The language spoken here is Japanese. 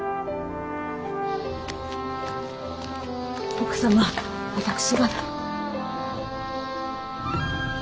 奥様私が。